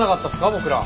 僕ら。